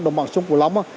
đồng bằng sông cổ long